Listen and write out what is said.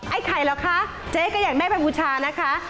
ไอ้ไข่เหรอคะเจ๊ก็อยากได้เป็นผู้ชานะคะ